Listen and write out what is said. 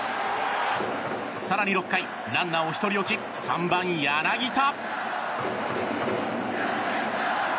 更に６回、ランナーを１人置き３番、柳田。